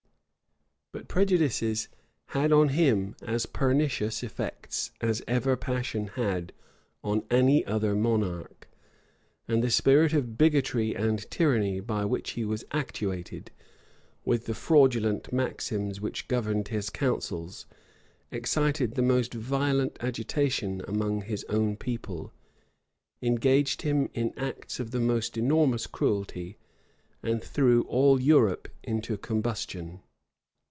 But prejudices had on him as pernicious effects as ever passion had on any other monarch; and the spirit of bigotry and tyranny by which he was actuated, with the fraudulent maxims which governed his counsels, excited the most violent agitation among his own people, engaged him in acts of the most enormous cruelty, and threw all Europe into combustion.